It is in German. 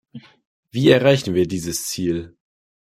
Wie erreichen wir dieses Ziel?